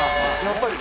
やっぱり。